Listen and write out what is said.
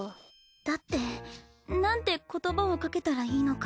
だってなんて言葉をかけたらいいのか。